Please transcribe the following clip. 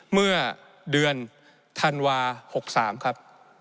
เมื่อเดือนแห่ง๓๖ครับ